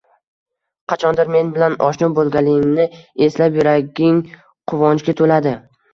qachondir men bilan oshno bo‘lganingni eslab, yuraging quvonchga to‘ladi.